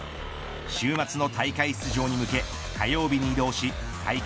週末の大会出場に向け火曜日に移動し大会